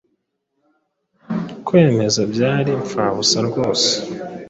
Kwemeza byari impfabusa rwose